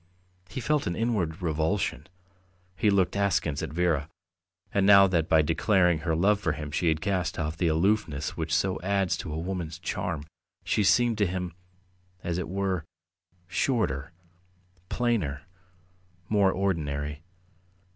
He felt an inward revulsion; he looked askance at Vera, and now that by declaring her love for him she had cast off the aloofness which so adds to a woman's charm, she seemed to him, as it were, shorter, plainer, more ordinary.